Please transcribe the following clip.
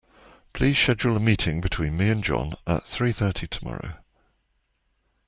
Please schedule a meeting between me and John at three thirty tomorrow.